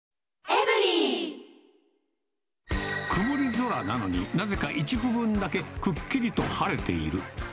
曇り空なのに、なぜか一部分だけくっきりと晴れている。